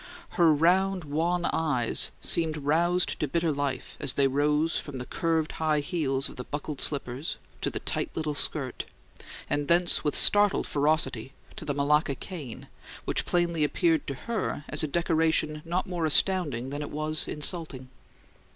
Her round, wan eyes seemed roused to bitter life as they rose from the curved high heels of the buckled slippers to the tight little skirt, and thence with startled ferocity to the Malacca cane, which plainly appeared to her as a decoration not more astounding than it was insulting.